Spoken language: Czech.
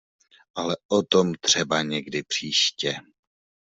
Ale o tom třeba někdy příště.